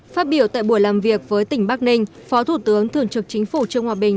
phát biểu tại buổi làm việc với tỉnh bắc ninh phó thủ tướng thường trực chính phủ trương hòa bình